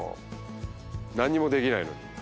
何にもできないのに。